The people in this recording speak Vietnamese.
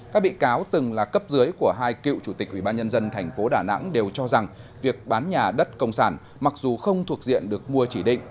các bị cáo từng là cấp dưới của hai cựu chủ tịch ubnd tp đà nẵng đều cho rằng việc bán nhà đất công sản mặc dù không thuộc diện được mua chỉ định